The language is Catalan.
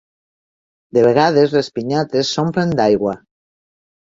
De vegades les pinyates s'omplen d'aigua.